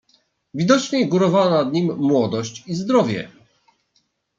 "Widocznie górowała nad nim młodość i zdrowie."